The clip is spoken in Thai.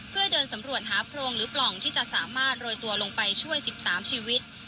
เพื่อเดินสำรวจหาโพรงหรือปล่องที่จะสามารถโรยตัวลงไปช่วย๑๓ชีวิต